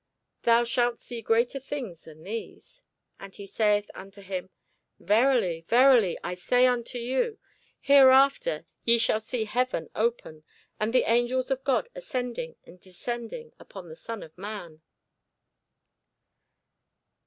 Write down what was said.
thou shalt see greater things than these. And he saith unto him, Verily, verily, I say unto you, Hereafter ye shall see heaven open, and the angels of God ascending and descending upon the Son of man.